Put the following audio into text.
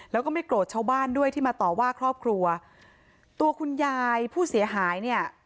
แล้วก็ไม่โกรธชาวบ้านด้วยที่มาต่อว่าครอบครัวตัวคุณยายผู้เสียหายเนี่ย